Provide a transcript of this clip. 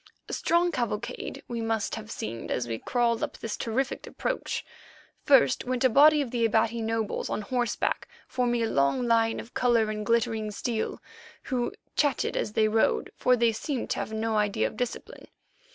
A strange cavalcade we must have seemed as we crawled up this terrific approach. First went a body of the Abati notables on horseback, forming a long line of colour and glittering steel, who chattered as they rode, for they seemed to have no idea of discipline.